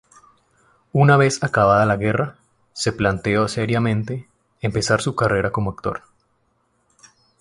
Una vez acabada la guerra, se planteó seriamente el empezar su carrera como actor.